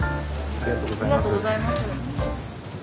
ありがとうございます。